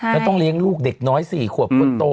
แล้วต้องเลี้ยงลูกเด็กน้อย๔ขวบคนโต